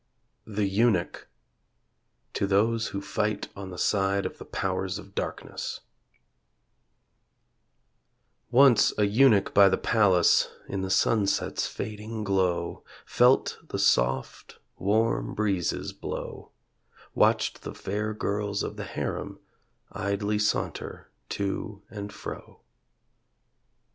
THE EUNUCH (To those who fight on the side of the Powers of Darkness) Once a Eunuch by the palace In the sunset's fading glow Felt the soft warm breezes blow; Watched the fair girls of the Harem Idly saunter to and fro.